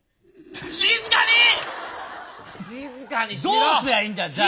どうすりゃいいんだよじゃあ。